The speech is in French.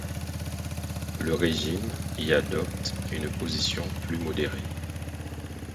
Le régime y adopte une position plus modérée.